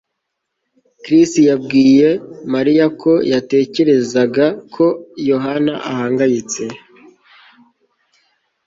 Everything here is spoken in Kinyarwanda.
Chris yabwiye Mariya ko yatekerezaga ko Yohana ahangayitse